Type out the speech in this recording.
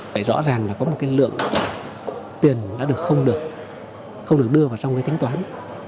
phải rõ ràng là có một cái lượng tiền đã được không được không được đưa vào trong cái tính toán